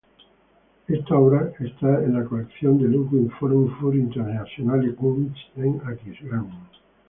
Esta obra está en la colección del Ludwig Forum für Internationale Kunst en Aquisgrán.